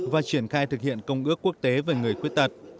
và triển khai thực hiện công ước quốc tế về người khuyết tật